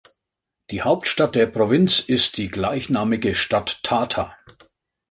Die Hauptstadt der Provinz ist die gleichnamige Stadt Tata.